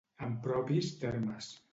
En propis termes.